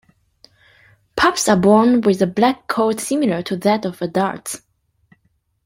Pups are born with a black coat similar to that of adults.